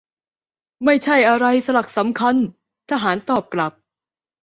ไม่ใช่อะไรสลักสำคัญ. ทหารตอบกลับ